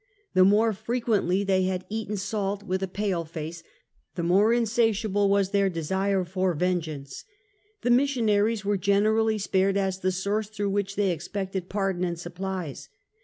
The more frequently they had eaten salt with a pale face, the more insatiable was their desire for vengeance. The missionaries were generally spared, as the source through which they ex pected pardon and supplies.